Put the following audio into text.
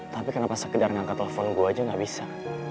tapi kenapa sekedar ngangkat telepon gue aja gak bisa